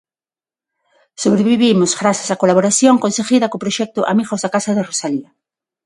Sobrevivimos grazas á colaboración conseguida co proxecto Amigos da Casa de Rosalía.